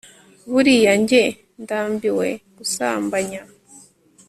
buriya njye ndambiwe gusambanya